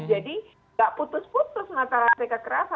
jadi tidak putus putus mengatakan rasa kekerasan